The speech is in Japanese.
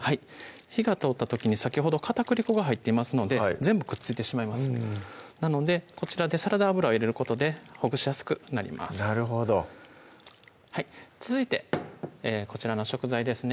火が通った時に先ほど片栗粉が入っていますので全部くっついてしまいますなのでこちらでサラダ油を入れることでほぐしやすくなりますなるほど続いてこちらの食材ですね